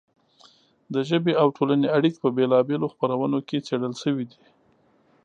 د ژبې او ټولنې اړیکې په بېلا بېلو خپرونو کې څېړل شوې دي.